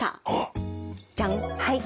はい。